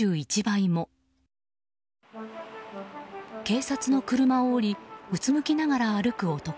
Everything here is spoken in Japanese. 警察の車を降りうつむきながら歩く男。